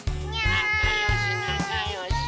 なかよしなかよし！